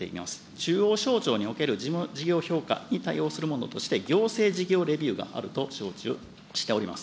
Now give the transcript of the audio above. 中央省庁における事務事業評価に対応するものとして、行政事業レビューがあると承知をしております。